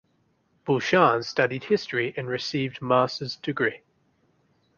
Bhushan studied History and received masters degree.